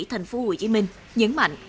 tp hcm nhấn mạnh